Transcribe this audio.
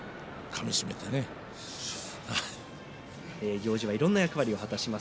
行司はいろんな役割を果たします。